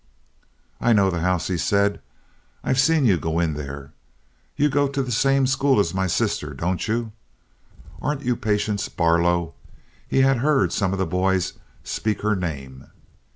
"I know the house," he said. "I've seen you go in there. You go to the same school my sister does, don't you? Aren't you Patience Barlow?" He had heard some of the boys speak her name.